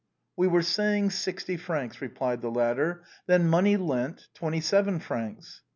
" We were saying sixty francs," replied the latter. " Then money lent, twenty seven francs."